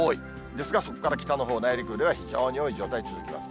ですが、そこから北、内陸では非常に多い状態続きます。